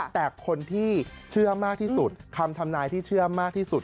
แต่คนที่เชื่อมากที่สุดคำทำนายที่เชื่อมากที่สุด